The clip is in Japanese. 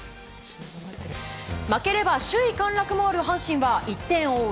負ければ首位陥落もある阪神は１点を追う